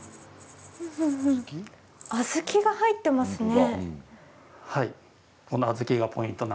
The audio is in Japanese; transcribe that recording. あずきが入ってますね。